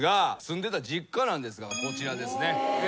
こちらですね。